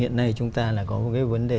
hiện nay chúng ta là có cái vấn đề